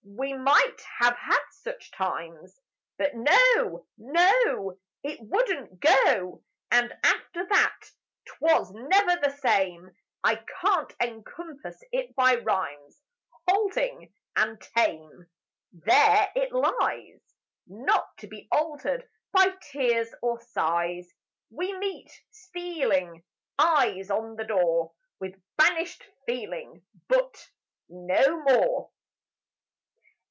We might have had such times! But No! No! It wouldn't go; And after that 'twas never the same; I can't encompass it by rhymes, Halting and tame; There it lies Not to be altered by tears or sighs: We meet, stealing; Eyes on the door; With banished feeling But No more!